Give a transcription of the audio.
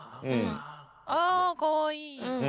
ああかわいい。